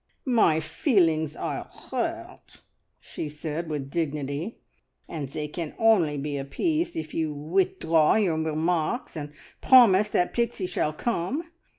"My feelings are 'urt," she said with dignity, "and they can only be appeased if you withdraw your remarks, and promise that Pixie shall come.